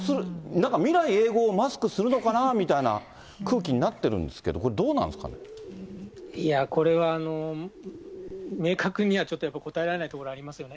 なんか未来永劫、マスクするのかなみたいな空気になってるんですけど、いや、これは明確にはちょっとやっぱり答えられないところありますよね。